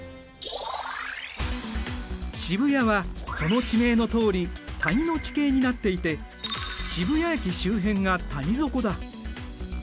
渋谷はその地名のとおり谷の地形になっていて渋谷駅周辺が谷底だ。